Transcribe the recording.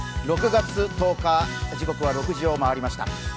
６月１０日、時刻は６時を回りました。